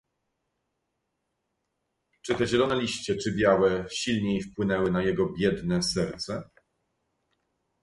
"Czy te zielone liście, czy białe, silniej wpłynęły na jego biedne serce?"